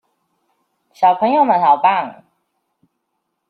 小朋友們好棒！